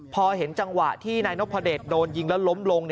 พอเห็นจังหวะที่นายนพเดชโดนยิงแล้วล้มลง